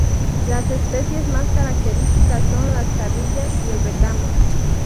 Las especies más características son las jarillas y el retamo.